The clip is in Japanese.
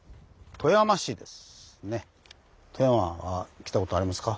富山は来たことありますか？